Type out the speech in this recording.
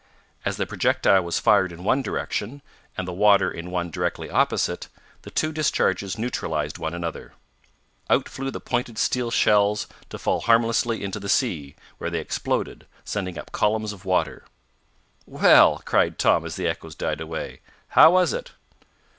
As the projectile was fired in one direction, and the water in one directly opposite, the two discharges neutralized one another. Out flew the pointed steel shells, to fall harmlessly into the sea, where they exploded, sending up columns of water. "Well!" cried Tom as the echoes died away. "How was it?"